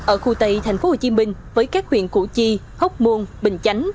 ở khu tây tp hcm với các huyện củ chi hốc môn bình chánh